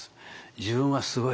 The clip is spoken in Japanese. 「自分はすごい！